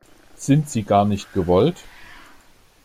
Sind sie gar nicht gewollt?